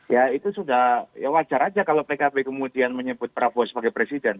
ya itu sudah ya wajar aja kalau pkb kemudian menyebut prabowo sebagai presiden